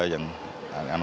yang anak anak muda